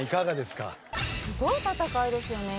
すごい戦いですよね。